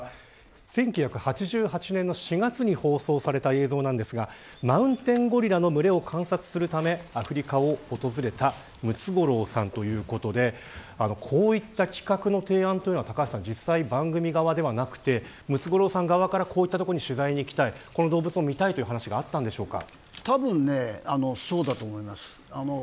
１９８８年の４月に放送された映像なんですがマウンテンゴリラの群れを観察するためアフリカを訪れたムツゴロウさんということでこういった企画の提案というのは実際、番組側ではなくてムツゴロウさん側からこういったところに取材に行きたい、こういう動物を見たいという話があったんでしょうか。